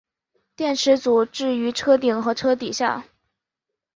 电池组置于车顶和车底下。